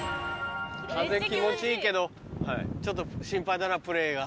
風気持ちいいけどちょっと心配だなプレーが。